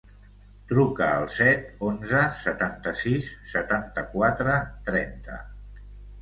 Truca al set, onze, setanta-sis, setanta-quatre, trenta.